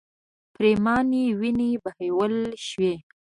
پرېمانې وینې بهول شوې.